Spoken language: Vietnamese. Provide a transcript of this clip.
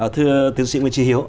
thưa tiến sĩ nguyễn trì hiếu